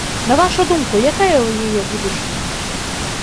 На вашу думку, якая ў яе будучыня?